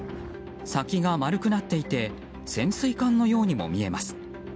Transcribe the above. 先が丸くなっていて潜水艦のようにも見えます。